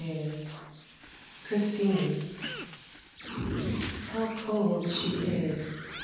28 CHRISTINE How cold she is